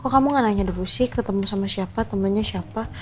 kok kamu gak nanya dulu sih ketemu sama siapa temennya siapa